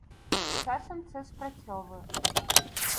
Часом це спрацьовує